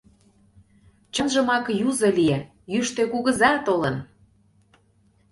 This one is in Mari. Чынжымак юзо лие: Йӱштӧ Кугыза толын!